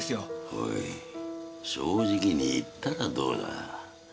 おい正直に言ったらどうだ？